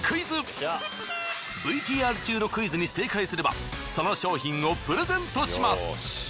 ＶＴＲ中のクイズに正解すればその商品をプレゼントします。